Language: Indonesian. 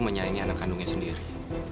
menyayangi anak kandungnya sendiri